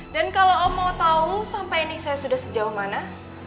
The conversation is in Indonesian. dan kalau om mau tahu sampai ini saya sudah sejauh mana